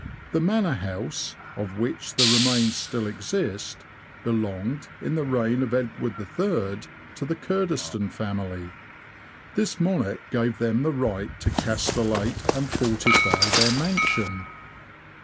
The manor house, of which the remains still exist, belonged, in the reign of Edward III., to the Kerdiston family. This monarch gave them the right to castellate and fortify their mansion.